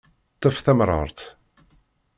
Ṭṭef tamrart.